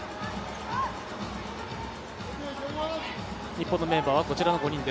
日本のメンバーはこちらの５人。